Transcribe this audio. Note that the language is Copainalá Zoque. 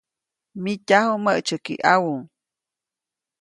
Mityaju mäʼtsyäki ʼawu.